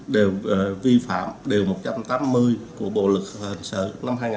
đều vi phạm điều một trăm tám mươi của bộ lực hành sở năm hai nghìn chín